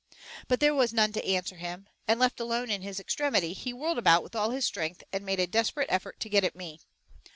But there was none to answer him, and, left alone in his extremity, he whirled about with all his strength and made a desperate effort to get at me.